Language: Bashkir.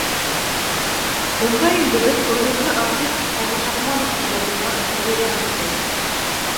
Бында инде беҙ күренекле артист Э. Абушахманов ижадына мөрәжәғәт итәбеҙ.